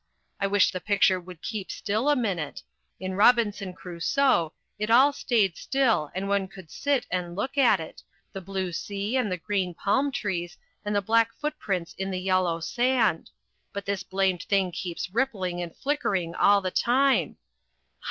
I wish the picture would keep still a minute in Robinson Crusoe it all stayed still and one could sit and look at it, the blue sea and the green palm trees and the black footprints in the yellow sand but this blamed thing keeps rippling and flickering all the time Ha!